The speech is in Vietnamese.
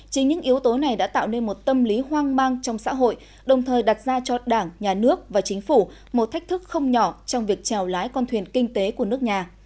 chính những yếu tố này đã tạo nên một tâm lý hoang mang trong xã hội đồng thời đặt ra cho đảng nhà nước và chính phủ một thách thức không nhỏ trong việc trèo lái con thuyền kinh tế của nước nhà